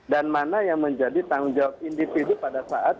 dan mana yang menjadi tanggung jawab individu pada saat